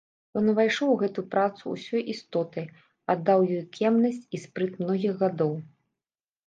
Ён увайшоў у гэту працу ўсёй істотай, аддаў ёй кемнасць і спрыт многіх гадоў.